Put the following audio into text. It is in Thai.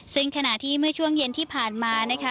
ซึ่งขณะที่เมื่อช่วงเย็นที่ผ่านมานะคะ